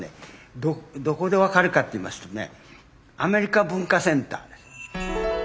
どこで分かるかと言いますとねアメリカ文化センターです。